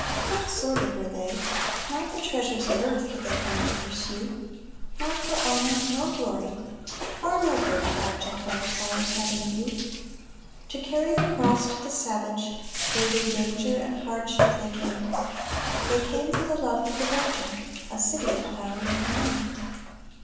Not sordid were they. Not the treasures of earth they had come to pursue, Not for honor nor glory. Far nobler the object our sires had in view. To carry the cross to the savage, braving danger and hardship they came. They came for the love of the Virgin, a city to found in her name.